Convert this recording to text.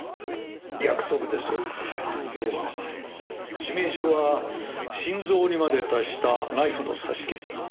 致命傷は心臓にまで達したナイフの刺し傷だ。